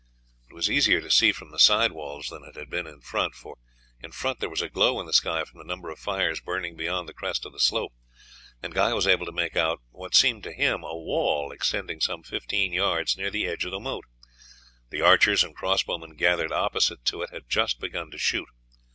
It was easier to see from the side walls than it had been in front, for in front there was a glow in the sky from the number of fires burning beyond the crest of the slope, and Guy was able to make out what seemed to him a wall extending some fifteen yards, near the edge of the moat. The archers and crossbow men gathered opposite to it had just begun to shoot.